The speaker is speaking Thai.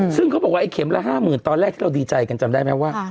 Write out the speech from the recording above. ซึ่งเขาบอกไว้แข็งละ๕๐๐๐๐ตอนแรกที่ดีใจกันจำได้ไหมว่า